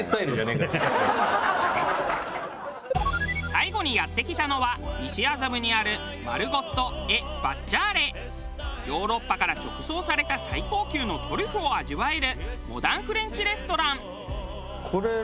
最後にやって来たのはヨーロッパから直送された最高級のトリュフを味わえるモダンフレンチレストラン。